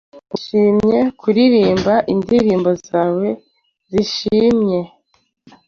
wishimye Kuririmba indirimbo zawe zishimye,